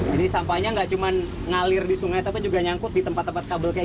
sampahnya gak cuma ngalir di sungai tapi juga nyangkut di tempat tempat kabel kayak